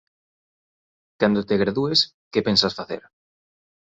Cando te gradúes, que pensas facer?